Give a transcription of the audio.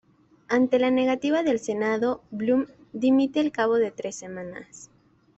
Ante la negativa del senado, Blum dimite al cabo de tres semanas.